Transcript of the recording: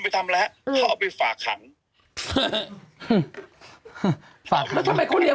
ทำแล้วเขาเอาไปฝากขังฝากขังแล้วทำไมเขาเลี้ย